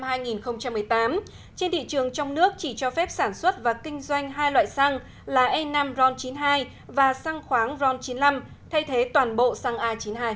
tháng năm năm hai nghìn một mươi tám trên thị trường trong nước chỉ cho phép sản xuất và kinh doanh hai loại xăng là e năm ron chín mươi hai và xăng khoáng ron chín mươi năm thay thế toàn bộ xăng a chín mươi hai